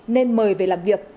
nên mời về làm việc